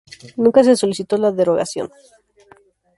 Nunca se solicitó la derogación.